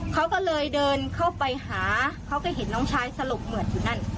เขาก็เลยเดินเข้าไปหาเขาก็เห็นน้องชายสลบเหมือนอยู่นั่น